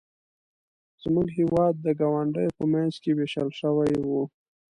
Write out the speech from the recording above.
زموږ هېواد د ګاونډیو په منځ کې ویشل شوی و.